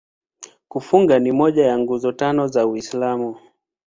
Kufunga ni moja ya Nguzo Tano za Uislamu.